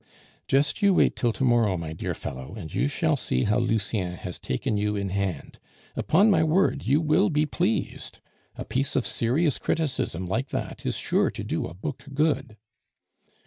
"Just you wait till to morrow, my dear fellow, and you shall see how Lucien has taken you in hand. Upon my word, you will be pleased. A piece of serious criticism like that is sure to do a book good."